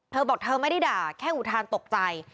เธอบอกเธอไม่ได้ด่าแค่อุทานตกใจ